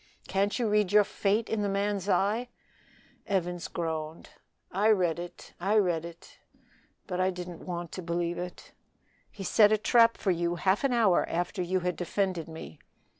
Can't you read your fate in the man's eye?" Evans groaned. "I read it, I read it, but I didn't want to believe it." "He set a trap for you half an hour after you had defended me."